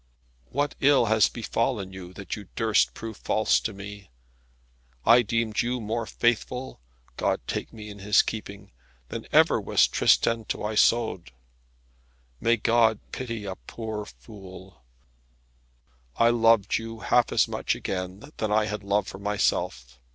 What ill has befallen you, that you durst prove false to me? I deemed you more faithful God take me in His keeping than ever was Tristan to Isoude. May God pity a poor fool, I loved you half as much again than I had love for myself.